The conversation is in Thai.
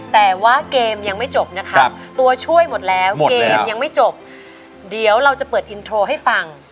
แต่ว่าเกมยังไม่จบนะครับตัวช่วยหมดแล้วเกมยังไม่จบเดี๋ยวเราจะเปิดอินโทรให้ฟัง